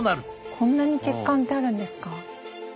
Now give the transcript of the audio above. こんなに血管ってあるんですか？